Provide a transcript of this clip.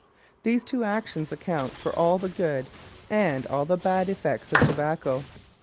These two actions account for all the good and all the bad effects of tobacco.